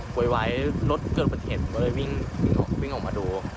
บวยวายรถเกินประเทศผมก็เลยวิ่งออกมาดู